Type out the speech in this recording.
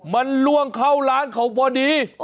มันล่วงเข้าร้านเขาพอดี